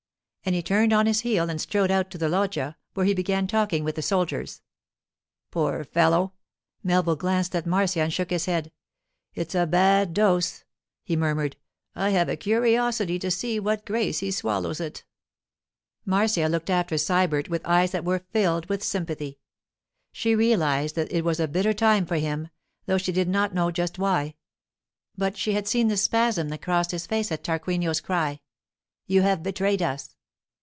And he turned on his heel and strode out to the loggia, where he began talking with the soldiers. 'Poor fellow!' Melville glanced at Marcia and shook his head. 'It's a bad dose!' he murmured. 'I have a curiosity to see with what grace he swallows it.' Marcia looked after Sybert with eyes that were filled with sympathy. She realized that it was a bitter time for him, though she did not know just why; but she had seen the spasm that crossed his face at Tarquinio's cry, 'You have betrayed us!